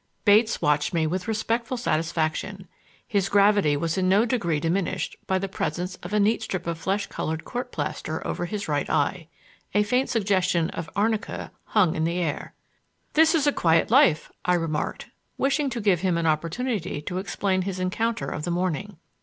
Bates watched me with respectful satisfaction. His gravity was in no degree diminished by the presence of a neat strip of flesh colored court plaster over his right eye. A faint suggestion of arnica hung in the air. "This is a quiet life," I remarked, wishing to give him an opportunity to explain his encounter of the morning.